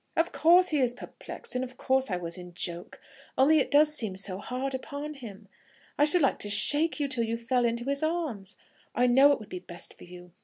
"Of course he is perplexed, and of course I was in joke. Only it does seem so hard upon him! I should like to shake you till you fell into his arms. I know it would be best for you.